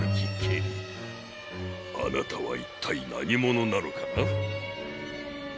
あなたは一体何者なのかな？